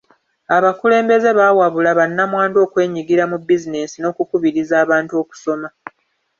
Abakulembeze baawabula bannamwandu okwenyigira mu bizinensi n'okukubiriza abantu okusoma.